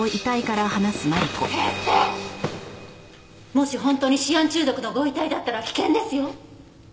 もし本当にシアン中毒のご遺体だったら危険ですよ！